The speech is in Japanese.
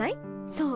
そう！